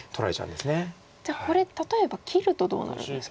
じゃあこれ例えば切るとどうなるんですか？